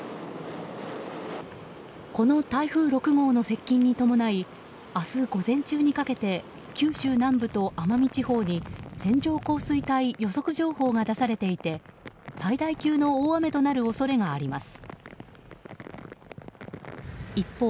この台風６号の接近に伴い明日午前中にかけて九州南部と奄美地方に線状降水帯予測情報が出されていて災害級の大雨となる恐れがあります。